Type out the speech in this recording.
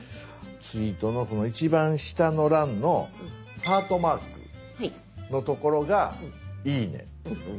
ツイートのこの一番下の欄のハートマークのところが「いいね」。